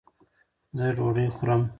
زۀ ډوډۍ خورم